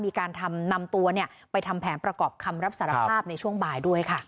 มีการนำตัวไปทำแผนประกอบคำรับสารภาพในช่วงบ่ายด้วยค่ะ